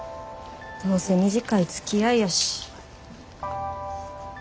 どうせ短いつきあいやし。